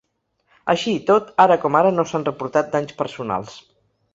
Així i tot, ara com ara no s’han reportat danys personals.